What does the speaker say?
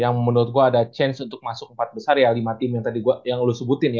yang menurut gue ada chance untuk masuk empat besar ya lima tim yang tadi gue yang lo sebutin ya